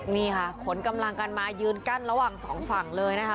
นี่ค่ะขนกำลังกันมายืนกั้นระหว่างสองฝั่งเลยนะคะ